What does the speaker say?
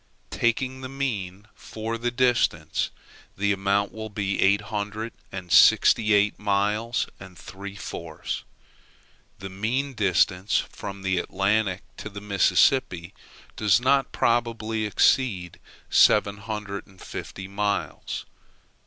Taking the mean for the distance, the amount will be eight hundred and sixty eight miles and three fourths. The mean distance from the Atlantic to the Mississippi does not probably exceed seven hundred and fifty miles.